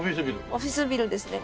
オフィスビルですね。